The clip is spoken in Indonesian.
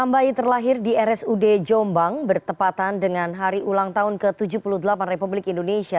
enam bayi terlahir di rsud jombang bertepatan dengan hari ulang tahun ke tujuh puluh delapan republik indonesia